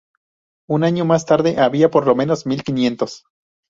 Un año más tarde había por lo menos mil quinientos.